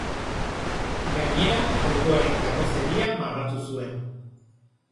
Gainera, autoaren karrozeria marratu zuen.